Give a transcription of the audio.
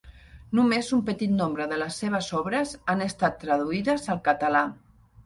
Només un petit nombre de les seves obres han estat traduïdes al català.